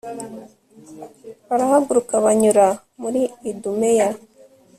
barahaguruka banyura muri idumeya